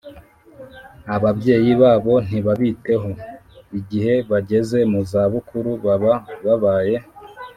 ababyeyi babo ntibabiteho igihe bageze mu za bukuru, baba babaye